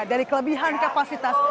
dari kelebihan kapasitas